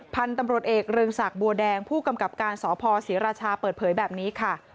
พันธุ์ตำรวจเอกเรืองศักดิ์บัวแดงผู้กำกับการสพศรีราชาเปิดเผยแบบนี้ค่ะ